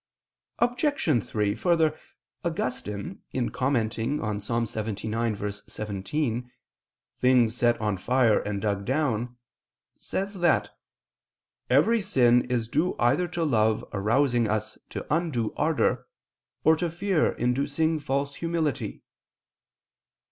Obj. 3: Further, Augustine in commenting on Ps. 79:17, "Things set on fire and dug down," says that "every sin is due either to love arousing us to undue ardor or to fear inducing false humility."